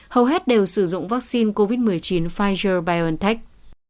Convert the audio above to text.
hầu hết đều sử dụng vaccine covid một mươi chín pfizer biontech